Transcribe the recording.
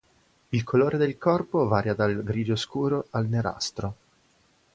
Il colore del corpo varia dal grigio scuro al nerastro.